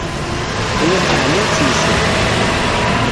Aya lmeεna ur tt-yesεi.